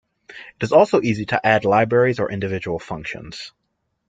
It is also easy to add other libraries or individual functions.